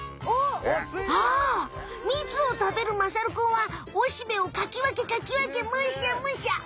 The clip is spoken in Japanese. ああみつを食べるまさるくんはおしべをかきわけかきわけむしゃむしゃ。